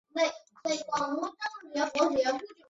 大叶宝兴报春为报春花科报春花属下的一个种。